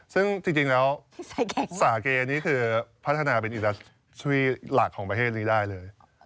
ซึ่งจริงแล้วสาเกนี่คือพัฒนาเป็นอีกชื่อหลักของประเทศนี้ได้เลย